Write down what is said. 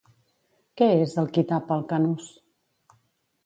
Què és el Kitab al Kanuz?